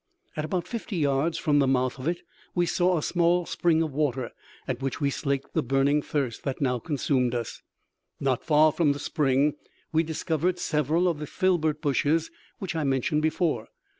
At about fifty yards from the mouth of it we saw a small spring of water, at which we slaked the burning thirst that now consumed us. Not far from the spring we discovered several of the filbert bushes which I mentioned before.